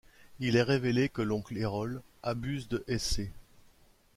Il est révélé que l'oncle Erol abuse de Ece.